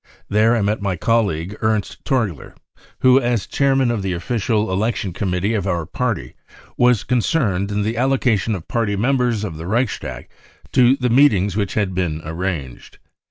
There I met my colleague Ernst Torgler, who as chairman of the official election committee of our Party was concerned in the^allocation of Party members of the Reichstag to the meetings which had been arranged.